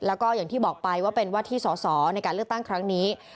แล้วก็อย่างที่บอกไปว่าเป็นว่าที่สอสอในการเลือกตั้งครั้งนี้